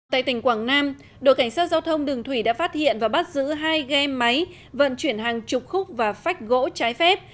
tại tỉnh quảng nam đội cảnh sát giao thông đường thủy đã phát hiện và bắt giữ hai ghe máy vận chuyển hàng chục khúc và phách gỗ trái phép